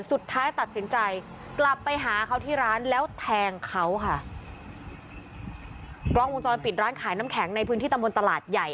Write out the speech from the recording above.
สุดท้ายตัดสินใจกลับไปหาเขาที่ร้านแล้วแทงเขาค่ะกล้องวงจรปิดร้านขายน้ำแข็งในพื้นที่ตำบลตลาดใหญ่